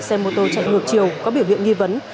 xe mô tô chạy ngược chiều có biểu hiện nghi vấn